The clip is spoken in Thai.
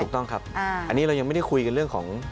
ถูกต้องครับอันนี้เรายังไม่ได้คุยกันเรื่องของ